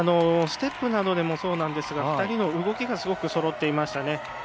ステップなどでもそうなんですが２人の動きがすごくそろっていましたね。